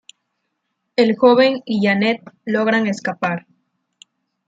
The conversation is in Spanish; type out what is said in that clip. El joven y Janet logran escapar.